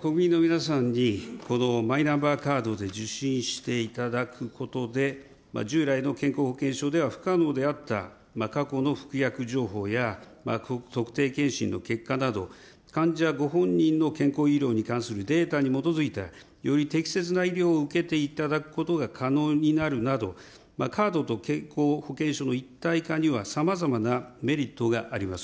国民の皆さんに、このマイナンバーカードで受診していただくことで、従来の健康保険証では不可能であった過去の服薬情報や特定健診の結果など、患者ご本人の健康医療に関するデータに基づいたより適切な医療を受けていただくことが可能になるなど、カードと健康保険証の一体化には、さまざまなメリットがあります。